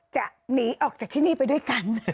จะหนีออกจากที่นี่ไปด้วยกัน